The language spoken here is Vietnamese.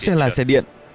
sẽ là xe điện